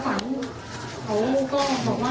เขาก็บอกว่า